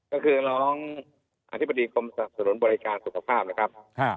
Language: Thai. ก็คือรองอธิบดีคมสะสรุนบริการสุขภาพ